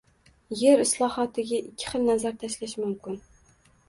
Yer islohotiga ikki xil nazar tashlash mumkin.